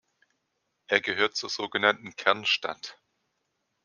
Er gehört zur sogenannten „Kernstadt“.